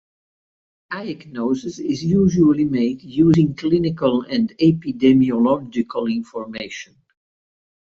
Diagnosis is usually made using clinical and epidemiological information.